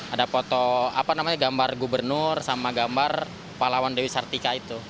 ada foto apa namanya gambar gubernur sama gambar pahlawan dewi sartika itu